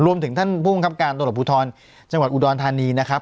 ท่านผู้บังคับการตำรวจภูทรจังหวัดอุดรธานีนะครับ